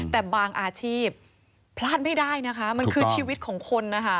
แต่บางอาชีพพลาดไม่ได้นะคะมันคือชีวิตของคนนะคะ